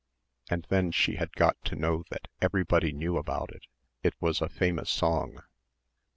And then she had got to know that everybody knew about it; it was a famous song.